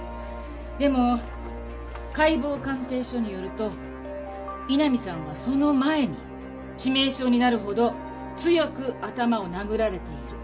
でも解剖鑑定書によると井波さんはその前に致命傷になるほど強く頭を殴られている。